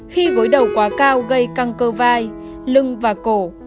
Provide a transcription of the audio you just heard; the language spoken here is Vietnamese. khi gối đầu quá cao gây căng cơ vai lưng và cổ